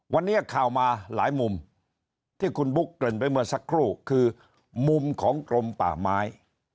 วันนี้ข่าวมาหลายมุมที่คุณบุ๊คเกริ่นไปเมื่อสักครู่คือมุมของกรมป่าไม้